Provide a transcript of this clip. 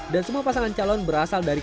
dan semua pasangan calon berasal dari